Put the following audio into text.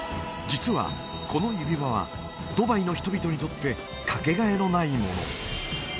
実はこの指輪はドバイの人々にとってかけがえのないもの